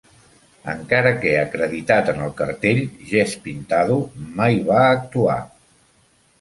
Encara que acreditat en el cartell, Jesse Pintado mai va actuar.